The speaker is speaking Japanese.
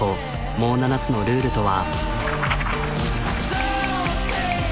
もう７つのルールとは。